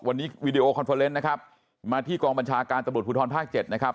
วันนี้วีดีโอคอนเฟอร์เนส์นะครับมาที่กองบัญชาการตำรวจภูทรภาค๗นะครับ